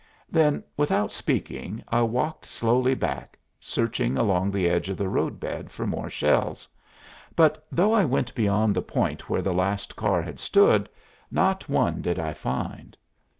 Then, without speaking, I walked slowly back, searching along the edge of the road bed for more shells; but, though I went beyond the point where the last car had stood, not one did I find.